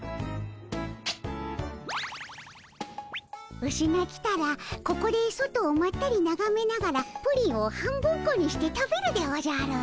ウシが来たらここで外をまったりながめながらプリンを半分こにして食べるでおじゃる。